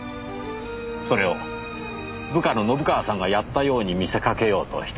それを部下の信川さんがやったように見せかけようとした。